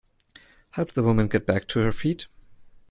Help the woman get back to her feet.